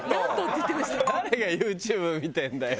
誰がＹｏｕＴｕｂｅ見てるんだよ。